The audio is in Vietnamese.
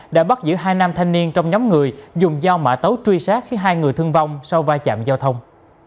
đã bắt giữ hai nam thanh niên trong nhóm người dùng dao mã tấu truy sát khiến hai người thương vong sau va chạm giao thông